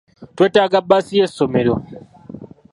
Twetaaga bbaasi y'essomero.